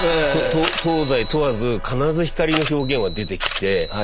東西問わず必ず光の表現は出てきて。